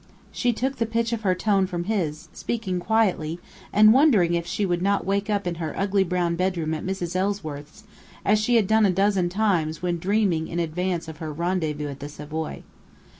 She took the pitch of her tone from his, speaking quietly, and wondering if she would not wake up in her ugly brown bedroom at Mrs. Ellsworth's, as she had done a dozen times when dreaming in advance of her rendezvous at the Savoy.